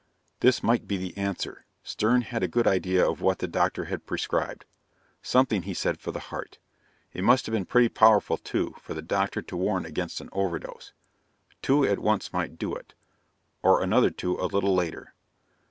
This might be the answer. Stern had a good idea of what the doctor had prescribed something he'd said, for the heart. It must have been pretty powerful, too, for the doctor to warn against an overdose. Two at once might do it, or another two a little later.